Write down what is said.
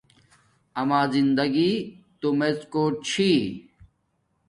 اما زندگی تومڎ کوٹ چھی